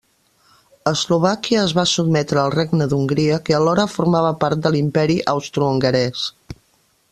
Eslovàquia es va sotmetre al Regne d'Hongria que alhora formava part de l'Imperi Austrohongarès.